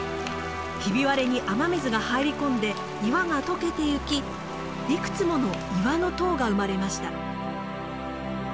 ひび割れに雨水が入り込んで岩が溶けていきいくつもの岩の塔が生まれました。